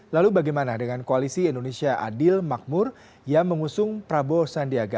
lalu bagaimana dengan koalisi indonesia adil makmur yang mengusung prabowo sandiaga